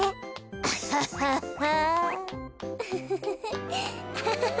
アハハハ。